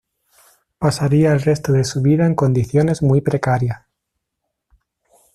Pasaría el resto de su vida en condiciones muy precarias.